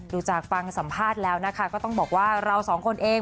ดูจากฟังสัมภาษณ์แล้วนะคะก็ต้องบอกว่าเราสองคนเอง